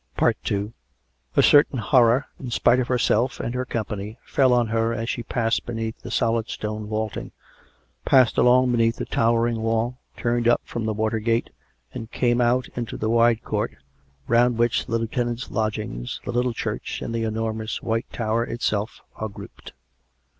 II A certain horror, in spite of herself and her company, fell on her as she passed beneath the solid stone vaulting, passed along beneath the towering wall, turned up from the water gate, and came out into the wide court round which the Lieutenant's lodgings, the little church, and the enormous White Tower itself are grouped.